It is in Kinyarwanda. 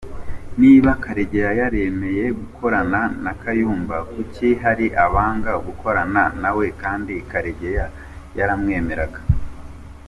Niba Karegeya yaremeye gukorana na Kayumba kuki hari abanga gukorana nawe kandi Karegeya yaramwemeraga?